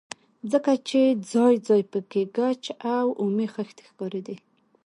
ځکه چې ځاى ځاى پکښې ګچ او اومې خښتې ښکارېدلې.